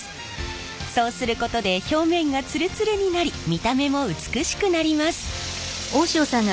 そうすることで表面がツルツルになり見た目も美しくなります。